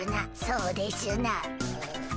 そうでしゅな。